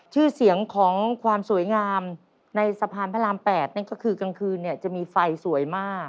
ชื่อเสียงของความสวยงามในสะพานพระราม๘นั่นก็คือกลางคืนเนี่ยจะมีไฟสวยมาก